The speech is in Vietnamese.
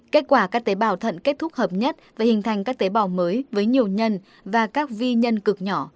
kết quả các tế bào thận kết thúc hợp nhất và hình thành các tế bào mới với nhiều nhân và các vi nhân cực nhỏ